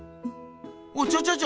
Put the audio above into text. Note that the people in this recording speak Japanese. おいちょちょちょ